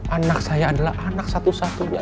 anak saya adalah anak satu satunya